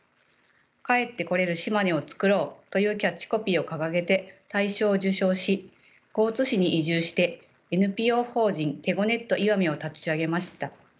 「帰ってこれる島根をつくろう」というキャッチコピーを掲げて大賞を受賞し江津市に移住してＮＰＯ法人てごねっと石見を立ち上げました。